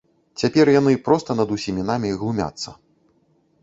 Цяпер яны проста над усімі намі глумяцца.